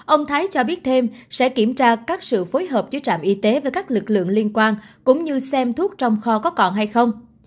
ông thái cho biết thêm sẽ kiểm tra các sự phối hợp giữa trạm y tế với các lực lượng liên quan cũng như xem thuốc trong kho có còn hay không